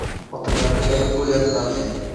Xotinlardan uyalib o‘lyapman men.